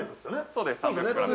◆そうです。